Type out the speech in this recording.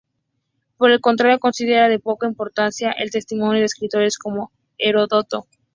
Por el contrario, considera de poca importancia el testimonio de escritores como Heródoto.